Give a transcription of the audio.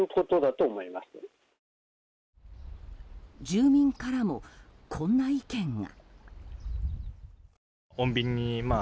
住民からもこんな意見が。